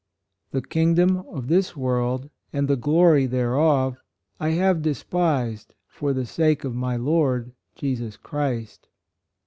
" The kingdom of this world and the glory thereof, I have despised for the sake of my Lord Jesus Christ."